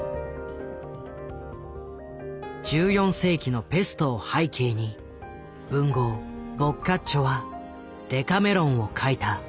１４世紀のペストを背景に文豪ボッカッチョは「デカメロン」を書いた。